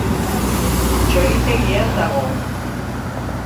Txoritegian dago.